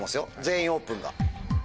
「全員オープン」が。